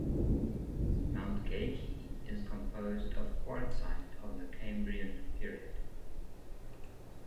Mount Geikie is composed of quartzite of the Cambrian period.